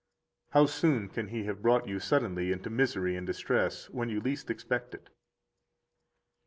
How soon can he have brought you suddenly into misery and distress when you least expect it!